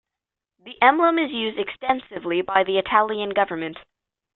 The emblem is used extensively by the Italian government.